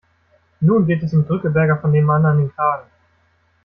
Nun geht es dem Drückeberger von nebenan an den Kragen.